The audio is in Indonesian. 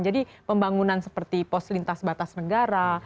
jadi pembangunan seperti pos lintas batas negara